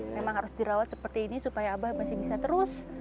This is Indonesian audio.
memang harus dirawat seperti ini supaya abah masih bisa terus